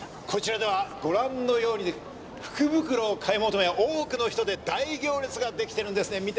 こちらではご覧のように福袋を買い求め多くの人で大行列ができてるんですね。